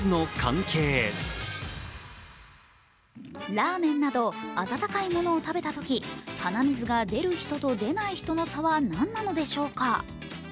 ラーメンなど温かいものを食べたとき、鼻水が出る人と出ない人の差は何なのでしょうか？